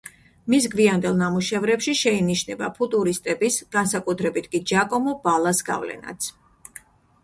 მის გვიანდელ ნამუშევრებში შეინიშნება ფუტურისტების, განსაკუთრებით კი ჯაკომო ბალას, გავლენაც.